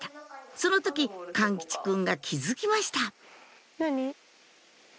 その時貫吉くんが気付きました何？